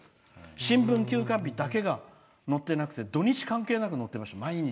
新聞休刊日だけが載っていなくて土日関係なく載ってました。